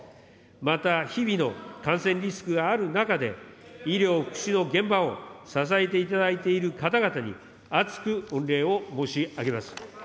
また、日々の感染リスクがある中で、医療、福祉の現場を支えていただいている方々に、厚く御礼を申し上げます。